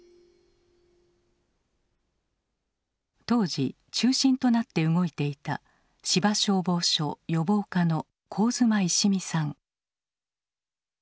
当時中心となって動いていた芝消防署予防課の上妻宝美さん。